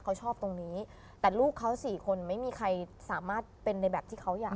เขาชอบตรงนี้แต่ลูกเขาสี่คนไม่มีใครสามารถเป็นในแบบที่เขาอยาก